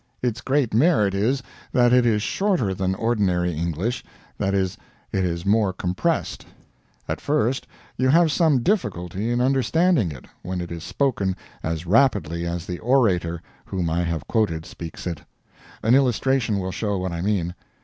Its great merit is, that it is shorter than ordinary English that is, it is more compressed. At first you have some difficulty in understanding it when it is spoken as rapidly as the orator whom I have quoted speaks it. An illustration will show what I mean.